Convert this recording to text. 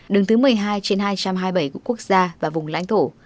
đứng thứ một mươi hai trên hai trăm hai mươi bảy của quốc gia và vùng lãnh thổ